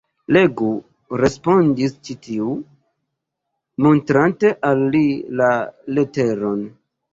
Legu, respondis ĉi tiu, montrante al li la leteron.